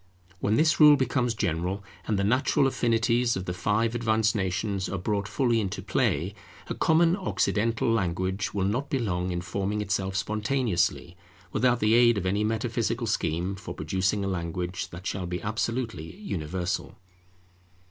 When this rule becomes general, and the natural affinities of the five advanced nations are brought fully into play, a common Occidental language will not be long in forming itself spontaneously, without the aid of any metaphysical scheme for producing a language that shall be absolutely universal.